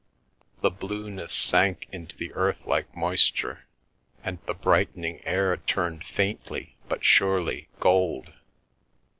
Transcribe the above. The blueness sank into the earth like moisture, and the brightening air turned faintly but surely gold.